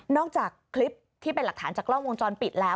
จากคลิปที่เป็นหลักฐานจากกล้องวงจรปิดแล้ว